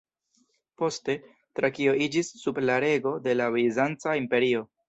Poste, Trakio iĝis sub la rego de la Bizanca Imperio.